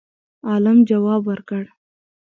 عالم جواب ورکړ